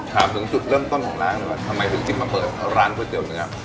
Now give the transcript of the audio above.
ถามถึงจุดเริ่มต้นของร้านก่อนทำไมคุณคิดมาเปิดร้านก๋วยเตี๋ยวนึงครับ